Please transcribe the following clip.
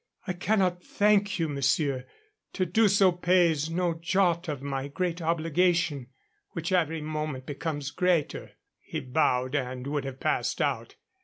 "I cannot thank you, monsieur. To do so pays no jot of my great obligation, which every moment becomes greater." He bowed and would have passed out.